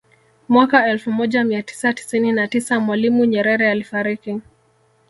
Mwaka elfu moja mia tisa tisini na tisa Mwalimu Nyerere alifariki